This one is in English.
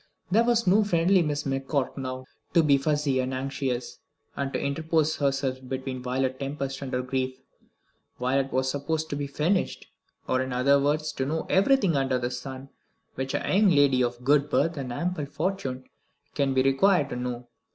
There was no friendly Miss McCroke now to be fussy and anxious, and to interpose herself between Violet Tempest and her grief. Violet was supposed to be "finished," or, in other words, to know everything under the sun which a young lady of good birth and ample fortune can be required to know.